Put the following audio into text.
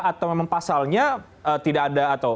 atau memang pasalnya tidak ada atau